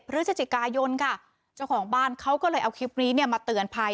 พฤศจิกายนค่ะเจ้าของบ้านเขาก็เลยเอาคลิปนี้เนี่ยมาเตือนภัย